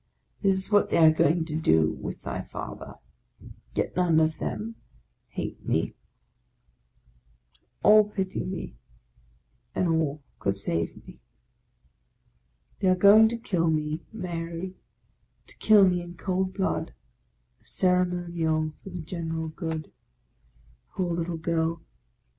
This is what they are going to do with thy Father ; yet none of them hate me, all pity me, and all could save me! They are going to kill me, Mary, to kill me in cold blood, — a ceremonial for the general good. Poor little girl